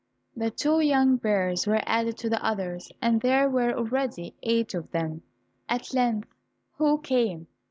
The two young bears were added to the others, and there were already eight of them. At length who came?